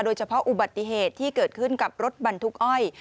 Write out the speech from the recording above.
อุบัติเหตุที่เกิดขึ้นกับรถบรรทุกอ้อย